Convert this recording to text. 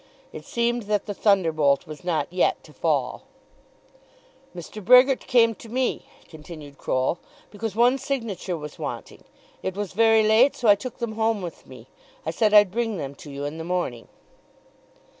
It seemed that the thunderbolt was not yet to fall. "Mr. Brehgert came to me," continued Croll, "because one signature was wanting. It was very late, so I took them home with me. I said I'd bring them to you in the morning."